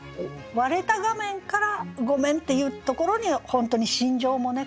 割れた画面から「ごめん」って言うところに本当に心情もね